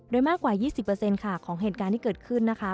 โดยมากกว่า๒๐ค่ะของเหตุการณ์ที่เกิดขึ้นนะคะ